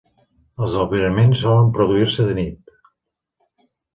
Els alviraments solen produir-se de nit.